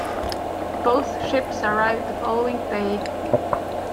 Both ships arrived the following day.